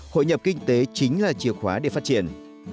hội nhập kinh tế chính là chìa khóa để phát triển